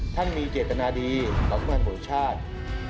ท่านมีเกตนาดีต่อสุขภัณฑ์ประโยชน์ชาติ